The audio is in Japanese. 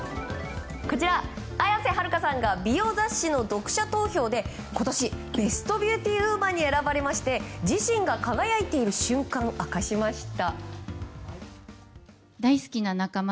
綾瀬はるかさんが美容雑誌の読者投票で今年、ベストビューティーウーマンに選ばれまして自身が輝いている瞬間明かしました。